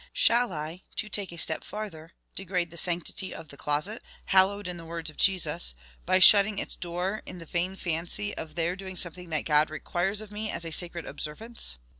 Shall I, to take a step farther, degrade the sanctity of the closet, hallowed in the words of Jesus, by shutting its door in the vain fancy of there doing something that God requires of me as a sacred OBSERVANCE?